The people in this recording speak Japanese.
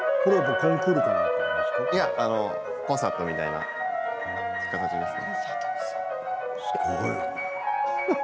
コンサートみたいな感じですね。